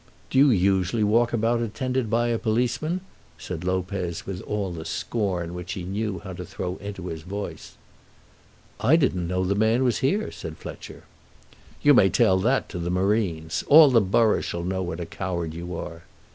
"Do you usually walk about attended by a policeman?" said Lopez, with all the scorn which he knew how to throw into his voice. "I didn't know that the man was here," said Fletcher. "You may tell that to the marines. All the borough shall know what a coward you are."